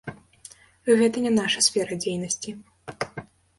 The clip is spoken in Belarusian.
Гэта не наша сфера дзейнасці.